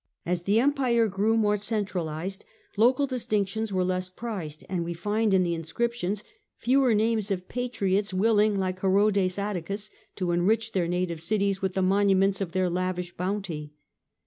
As the empire grew more centralized, local distinctions were less prized, and we find in the inscriptions fewer names of patriots willing, like Herodes Atticus, to enrich their native cities with the monuments of their lavish bounty.